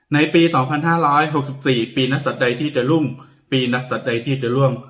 ในปีสองพันห้าร้อยหกสิบสี่ปีนักศัพท์ใดที่จะรุ่งปีนักศัพท์ใดที่จะร่วม